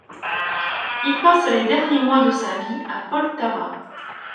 Il passe les derniers mois de sa vie à Poltava.